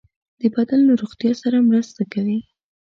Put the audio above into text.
د بدن له روغتیا سره مرسته کوي.